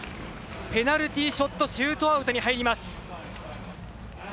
ペナルティーショットシュートアウトに入ります。